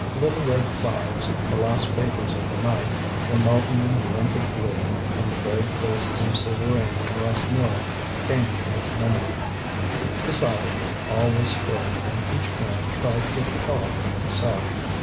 Little red clouds, the last vapours of the night, were melting in the limpid blue; and the vague faces of Souvarine and Rasseneur came to his memory. Decidedly, all was spoilt when each man tried to get power for himself.